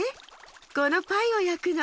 このパイをやくの。